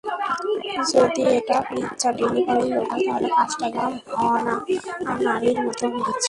যদি এটা পিজ্জা ডেলিভারির লোক হয়, তাহলে কাজটা একদম আনাড়ির মত হয়েছে।